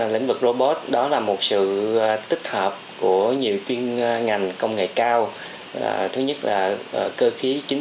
lĩnh vực robot đó là một sự tích hợp của nhiều chuyên ngành công nghệ cao thứ nhất là cơ khí chính